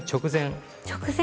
直前。